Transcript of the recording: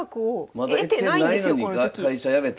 まだ得てないのに会社辞めた？